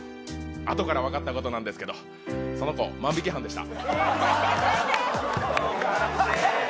あとから分かったことなんですけど、その子、万引き犯でした。